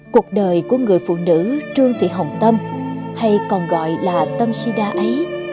cuộc đời của người phụ nữ trương thị hồng tâm hay còn gọi là tâm sida ấy